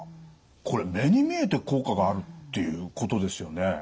これ目に見えて効果があるっていうことですよね。